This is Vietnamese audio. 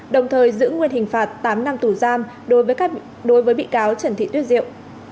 đồng thời giữ nguyên hình phạt tám năm tù giam đối với bị cáo trần thị tuyết diệu